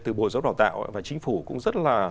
từ bộ giáo dục đào tạo và chính phủ cũng rất là